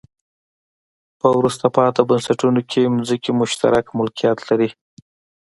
په وروسته پاتې بنسټونو کې ځمکې مشترک ملکیت لري.